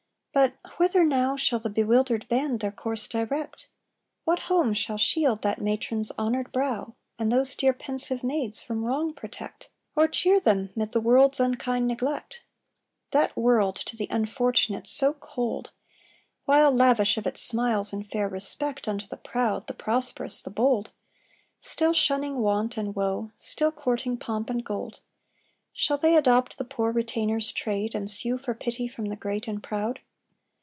But whither now Shall the bewildered band their course direct? What home shall shield that matron's honoured brow, And those dear pensive maids from wrong protect? Or cheer them 'mid the world's unkind neglect? That world to the unfortunate so cold, While lavish of its smiles and fair respect Unto the proud, the prosperous, the bold; Still shunning want and woe; still courting pomp and gold. Shall they adopt the poor retainer's trade, And sue for pity from the great and proud?